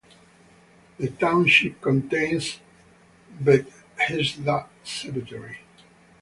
The township contains Bethesda Cemetery.